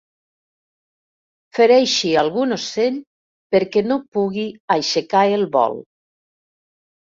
Fereixi algun ocell perquè no pugui aixecar el vol.